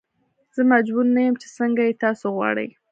زه مجبور نه یم چې څنګه یې تاسو غواړئ.